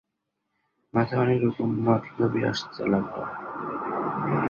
মাথায় অনেকরকম মতলবই আসতে লাগল।